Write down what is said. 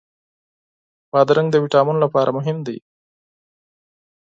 بادرنګ د ویټامینونو لپاره مهم دی.